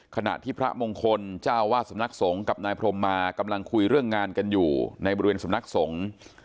ขณะที่พระมงคลเจ้าวาดสำนักสงฆ์กับนายพรมมากำลังคุยเรื่องงานกันอยู่ในบริเวณสำนักสงฆ์